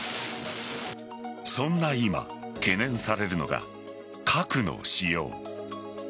そんな今懸念されるのが核の使用。